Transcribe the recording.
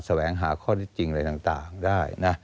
แสวงหาข้อจริงอะไรต่างได้